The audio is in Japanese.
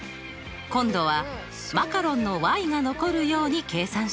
今度はマカロンのが残るように計算しました。